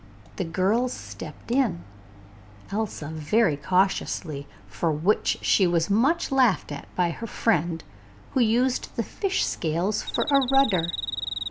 The girls stepped in, Elsa very cautiously, for which she was much laughed at by her friend, who used the fish scales for a rudder.